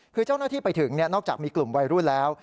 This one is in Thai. คือเจ้าหน้าที่ไปถึงนอกจากมีกลุ่มวัยรุ่นแล้ว